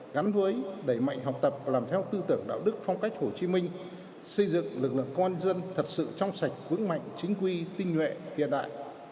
gắn với đẩy mạnh học tập và làm theo tư tưởng đạo đức phong cách hồ chí minh xây dựng lực lượng công an dân thật sự trong sạch vững mạnh chính quy tinh nguyện hiện đại